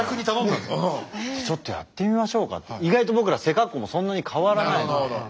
じゃあちょっとやってみましょうかって。意外と僕ら背格好もそんなに変わらないので。